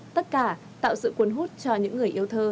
tất cả tạo sự cuốn hút cho những người yêu thơ